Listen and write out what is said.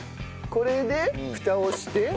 これで蓋をして。